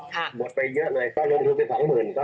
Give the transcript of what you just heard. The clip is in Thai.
ก็ปล่อยไปเยอะเลยเขา๒๐๐๐๐